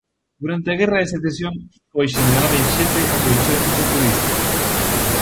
Durante a Guerra de Secesión foi xeneral en xefe do exército sudista.